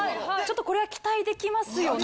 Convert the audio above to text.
これは期待できますよね。